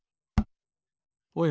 おや？